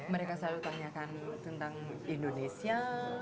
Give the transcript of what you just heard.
mereka selalu tanyakan tentang indonesia